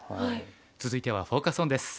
続いてはフォーカス・オンです。